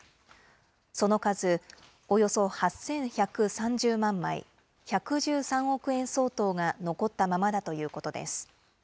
その数、およそ８１３０万枚、１１３億円相当が残ったままだということです。